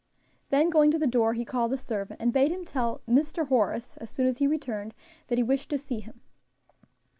Then, going to the door, he called a servant and bade him tell "Mr. Horace," as soon as he returned, that he wished to see him.